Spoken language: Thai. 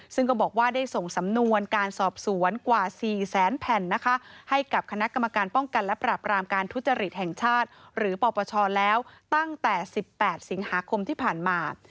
ซึ่งก็บอกว่าได้ส่งสำนวนการสอบสวนกว่า๔แสนแผ่นนะคะให้กับคณะกรรมการป้องกันและปราบรามการทุจริตแห่งชาติหรือปปชแล้วตั้งแต่๑๘สิงหาคมที่ผ่านมา